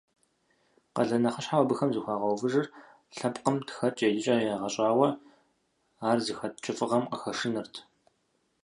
Къалэн нэхъыщхьэу абыхэм зыхуагъэувыжыр лъэпкъым тхэкӏэ, еджэкӏэ егъэщӏауэ ар зыхэт кӏыфӏыгъэм къыхэшынырт.